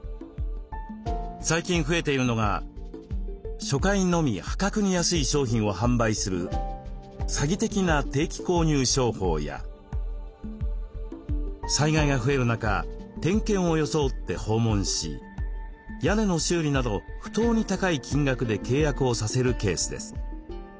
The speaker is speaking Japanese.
最近増えているのが初回のみ破格に安い商品を販売する詐欺的な定期購入商法や災害が増える中点検を装って訪問し屋根の修理など不当に高い金額で契約をさせるケースです。